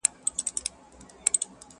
ستا پستو غوښو ته اوس مي هم زړه کیږي؛